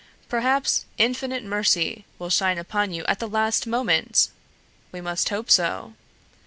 Perhaps Infinite Mercy will shine upon you at the last moment! We must hope so.